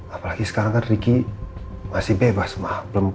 apalagi sekarang kan riki masih bebas ma